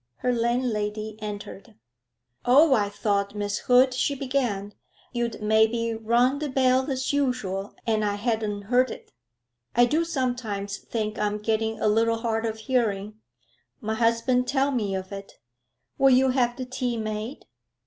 Her landlady entered. 'Oh, I thought, Miss Hood,' she began, 'you'd maybe rung the bell as usual, and I hadn't heard it. I do sometimes think I'm getting a little hard of hearing; my husband tell me of it. Will you have the tea made?'